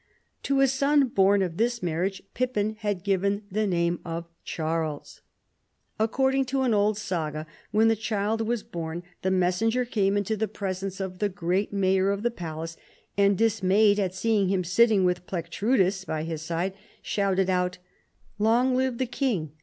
To a son born of this mar riage Pippin had given the name of Charles. Ac cording to an old Saga, Avhen the child wjus born, the messenger came into the presence of the great mayor of the palace and, dismayed at seeing him sitting with Plectrudis by his side, shouted out " Long live the king.